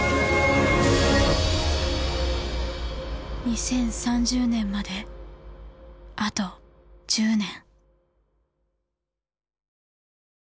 ２０３０年まであと１０年。